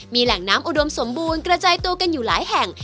มีแหล่งน้ำอุดมสมบูรณ์กระจายตัวกันอยู่หลายแห่ง